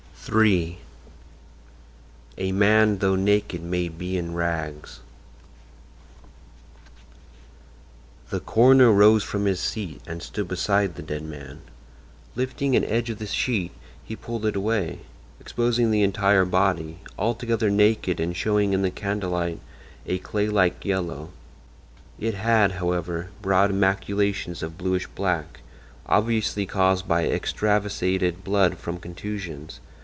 III A MAN THOUGH NAKED MAY BE IN RAGS The coroner rose from his seat and stood beside the dead man. Lifting an edge of the sheet he pulled it away, exposing the entire body, altogether naked and showing in the candle light a claylike yellow. It had, however, broad maculations of bluish black, obviously caused by extravasated blood from contusions.